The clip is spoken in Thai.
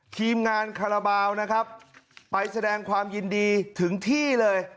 ทีมงานคาราบาลนะครับไปแสดงความยินดีถึงที่เลย